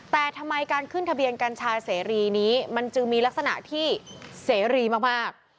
แต่ทำไมการขึ้นทะเบียนกัญชาเสรีนี้มันจึงมีลักษณะที่เสรีมาก